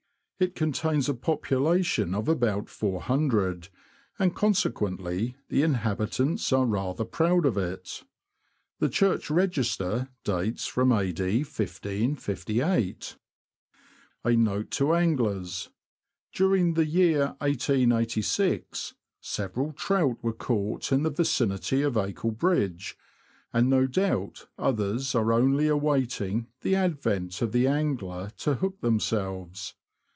It contains a population of about 400, and. UP THE BURE TO ACLE BRIDGE. J 19 consequently, the inhabitants are rather proud of it. The church register dates from A.D. 1558. A note to anglers! During the year 1886, several trout were caught in the vicinity of Acle Bridge, and no doubt others are only awaiting the advent of the angler to hook themselves.